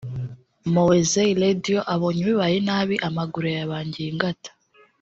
Mowzey Radio abonye bibaye nabi amaguru yayabangiye ingata